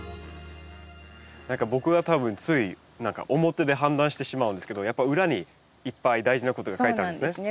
何か僕は多分つい表で判断してしまうんですけどやっぱ裏にいっぱい大事なことが書いてあるんですね。